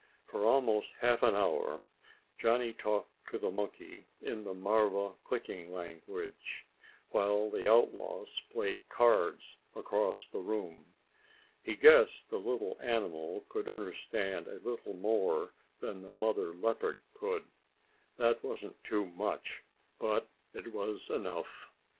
For almost half an hour Johnny talked to the monkey in the marva clicking language while the outlaws played cards across the room. He guessed the little animal could understand a little more than the mother leopard could. That wasn't too much, but it was enough.